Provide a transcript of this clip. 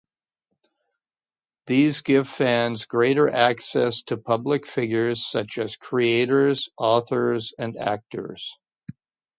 These give fans greater access to public figures such as creators, authors, and actors.